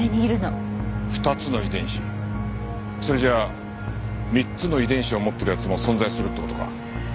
それじゃあ３つの遺伝子を持ってる奴も存在するって事か？